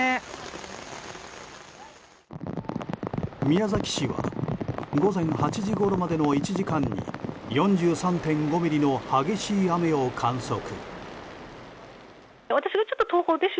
宮崎市は午前８時ごろまでの１時間に４３．５ミリの激しい雨を観測。